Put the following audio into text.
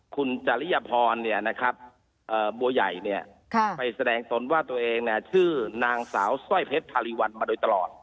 คุณเจรียพรเนี่ยนะครับบัวใหญ่เนี่ยไปแสดงตนว่าตัวเองชื่อนางสาวสร้อยเพชรทารีวัลมาโดยตลอด